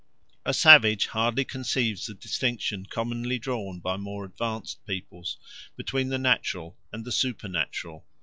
A savage hardly conceives the distinction commonly drawn by more advanced peoples between the natural and the supernatural.